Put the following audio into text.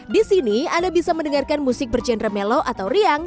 di sini anda bisa mendengarkan musik bergenre mellow atau rock